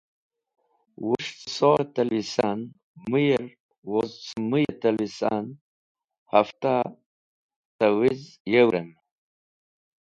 Wus̃h cẽ solẽ tẽlwisan mũyẽr woz cẽ mũyẽ tẽlwisan hẽfta tẽwiz yewrẽm.